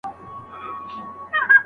محصل ته غلطه لارښوونه نه کېږي.